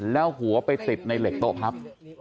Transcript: แล้วหัวไปติดในเหล็กโต๊ะพับ